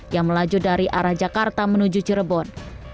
yang melaju dari arah jakarta menuju cirebon